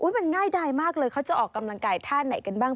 มันง่ายดายมากเลยเขาจะออกกำลังกายท่าไหนกันบ้าง